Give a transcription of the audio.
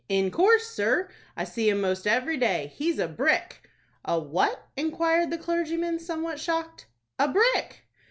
"In course, sir, I see him most every day. He's a brick!" "A what?" inquired the clergyman, somewhat shocked. "A brick!"